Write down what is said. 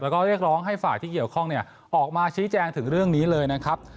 แล้วก็เรียกร้องให้ฝ่ายที่เกี่ยวข้องออกมาชี้แจงถึงเรื่องนี้เลยนะครับ